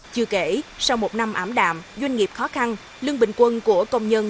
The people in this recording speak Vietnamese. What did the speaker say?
chưa kể sau một năm ảm đạm doanh nghiệp khó khăn lương bình quân của công nhân